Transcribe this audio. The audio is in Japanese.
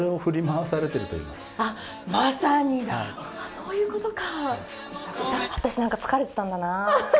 そういうことか。